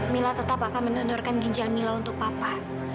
mila tetap akan mendonorkan ginjal mila untuk papa